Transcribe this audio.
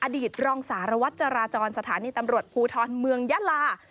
อดีตรองสารวัตรจราจรสถานีตำรวจภูทรเมืองยาลา